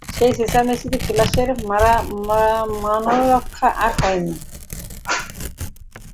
সেই চেঁচামেচিতে ক্লাসের মানরক্ষা আর হয় না।